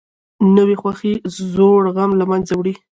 نوې خوښي زوړ غم له منځه وړي